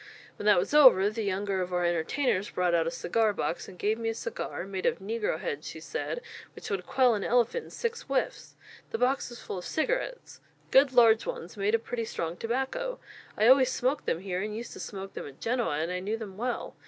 When that was over, the younger of our entertainers brought out a cigar box, and gave me a cigar, made of negrohead she said, which would quell an elephant in six whiffs. The box was full of cigarettes good large ones, made of pretty strong tobacco; I always smoke them here, and used to smoke them at Genoa, and I knew them well.